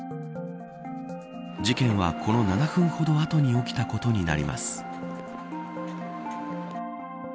事件は、この７分ほど後に起きたことになります。